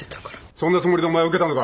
そんなつもりでお前は受けたのか！？